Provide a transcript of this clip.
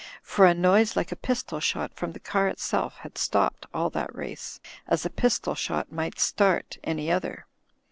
For a noise like a pistol shot from the car itself had stopped all that race, as a pistol shot might start any other.